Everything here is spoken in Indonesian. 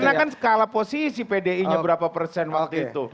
karena kan skala posisi pdi nya berapa persen waktu itu